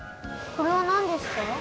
これはなんですか？